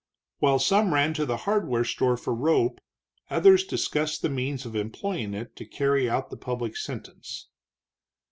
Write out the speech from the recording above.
While some ran to the hardware store for rope, others discussed the means of employing it to carry out the public sentence.